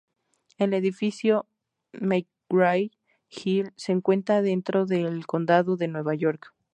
El Edificio McGraw-Hill se encuentra dentro del condado de Nueva York.